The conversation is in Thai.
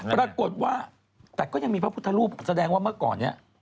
ปรากฏว่าแต่ก็ยังมีพระพุทธรูปแสดงว่าเมื่อก่อนนี้